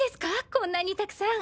こんなにたくさん。